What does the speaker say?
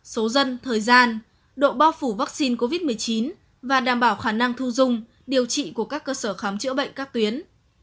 số dân thời gian độ bao phủ vaccine covid một mươi chín và đảm bảo khả năng thu dung điều trị của các cơ sở khám chữa bệnh các tuyến